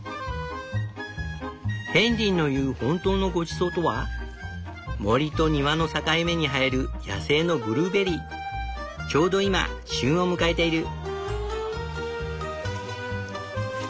ヘンリーの言う「本当のごちそう」とは森と庭の境目に生える野生のちょうど今旬を迎えている。